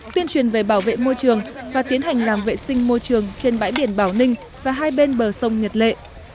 tuyên truyền về bảo vệ môi trường và tiến hành làm vệ sinh môi trường trên bãi biển bảo ninh và hai bên bờ sông nhật lệ